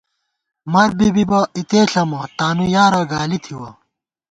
مَر بی بِبہ اِتے ݪَمہ، تانُو یارہ گالی تھِوَہ